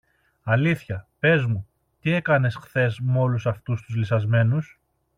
Αλήθεια, πες μου, τι έκανες χθες με όλους αυτούς τους λυσσασμένους;